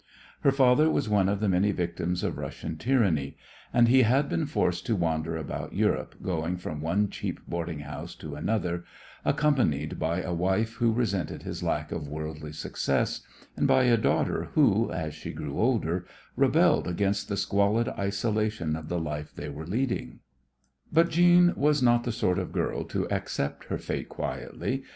Her father was one of the many victims of Russian tyranny, and he had been forced to wander about Europe, going from one cheap boarding house to another, accompanied by a wife who resented his lack of worldly success, and by a daughter who, as she grew older, rebelled against the squalid isolation of the life they were leading. But Jeanne was not the sort of girl to accept her fate quietly.